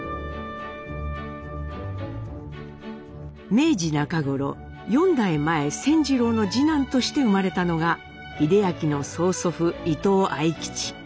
明治中頃４代前仙次郎の次男として生まれたのが英明の曽祖父伊藤愛吉。